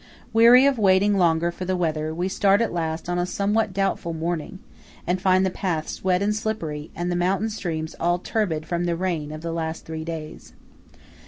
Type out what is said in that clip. Weary of waiting longer for the weather, we start at last on a somewhat doubtful morning, and find the paths wet and slippery, and the mountain streams all turbid from the rain of the last three days.